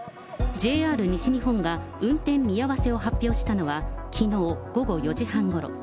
ＪＲ西日本が運転見合わせを発表したのは、きのう午後４時半ごろ。